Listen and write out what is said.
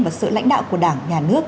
và sự lãnh đạo của đảng nhà nước